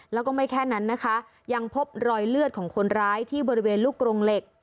แล้วก็ไม่แค่นั้นนะคะยังพบรอยเลือดของคนร้ายที่บริเวณลูกกรงเหล็ก